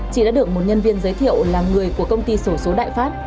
chị đã được một nhân viên giới thiệu là người của công ty sổ số đại pháp